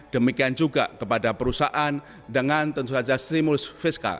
demikian juga kepada perusahaan dengan tentu saja stimulus fiskal